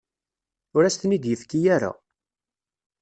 Ur as-ten-id-yefki ara.